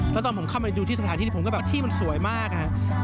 แล้วตอนผมเข้าไปดูที่สถานที่นี้ผมก็แบบที่มันสวยมาก